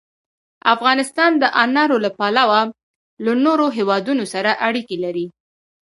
افغانستان د انارو له پلوه له نورو هېوادونو سره اړیکې لري.